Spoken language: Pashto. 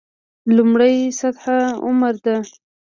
لومړۍ سطح عمره ده.